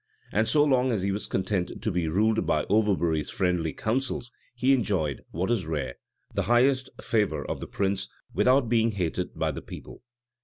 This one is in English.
And so long as he was content to be ruled by Overbury's friendly counsels, he enjoyed what is rare the highest favor of the prince, without being hated by the people.